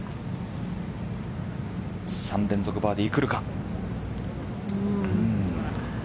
３連続バーディーくるか。